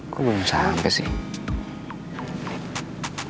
kok belum sampai sih